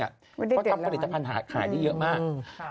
เพราะทำผลิตภัณฑ์หาขายได้เยอะมาก